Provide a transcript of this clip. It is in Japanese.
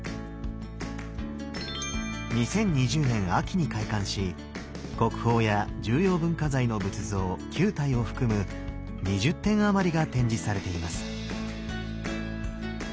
２０２０年秋に開館し国宝や重要文化財の仏像９体を含む２０点余りが展示されています。